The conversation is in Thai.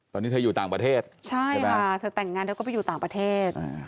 ตอนนี้เธออยู่ต่างประเทศใช่ไหมเธอแต่งงานเธอก็ไปอยู่ต่างประเทศ